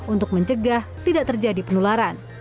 untuk mencegah tidak terjadi penularan